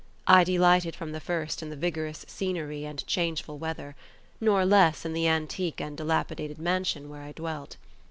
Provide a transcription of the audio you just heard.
I delighted from the first in the vigorous scenery and changeful weather; nor less in the antique and dilapidated mansion where I dwelt.